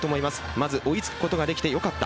まず追いつくことができてよかった